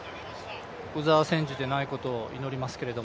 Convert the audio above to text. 鵜沢選手でないことを祈りますけど。